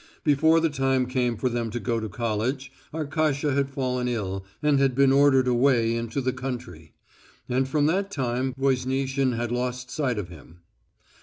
Before the time came for them to go to college, Arkasha had fallen ill and had been ordered away into the country. And from that time Voznitsin had lost sight of him.